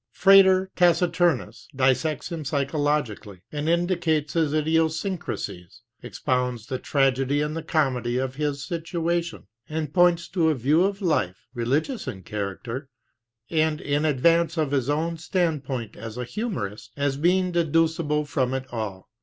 Frater Taciturnus dissects him psycho logically, and indicates his idiosyncracies, expounds the tragedy and the comedy of his situation, and points to a view of life, religious in character, and in advance of his own standpoint as a humorist, as being deducible from it all.